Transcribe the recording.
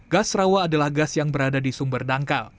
gas rawa adalah gas yang berada di sumber dangkal